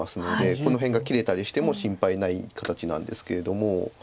この辺が切れたりしても心配ない形なんですけれども。